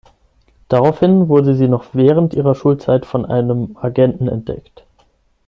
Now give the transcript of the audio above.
Daraufhin wurde sie noch während ihrer Schulzeit von einem Agenten entdeckt.